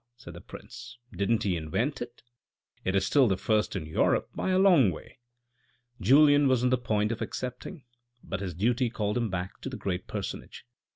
said the prince, "didn't he invent it. It is still the first in Europe by a long way." Julien was on the point of accepting ; but his duty called him back to the great personage.